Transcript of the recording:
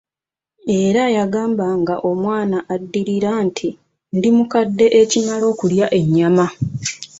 Era yagambanga omwana addirira nti, ndi mukadde ekimala okulya ennyama.